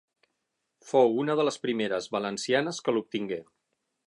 Fou una de les primeres valencianes que l'obtingué.